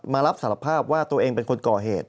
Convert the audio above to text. รับสารภาพว่าตัวเองเป็นคนก่อเหตุ